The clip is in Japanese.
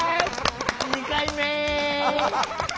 ２回目！